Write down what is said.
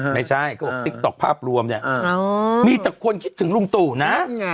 ไม่ใช่ก็ติ๊กต๊อกภาพรวมเนี่ยมีแต่คนคิดถึงลุงตั๋วนะ